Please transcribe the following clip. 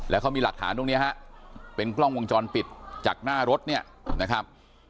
แล้วเขามีหลักฐานตรงนี้ฮะเป็นกล้องวงจรปิดจากหน้ารถเนี่ยนะครับ